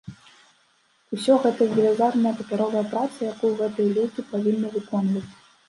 Усё гэта велізарная папяровая праца, якую гэтыя людзі павінны выконваць.